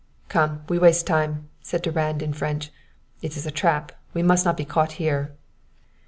"Come; we waste time," said Durand in French. "It is a trap. We must not be caught here!"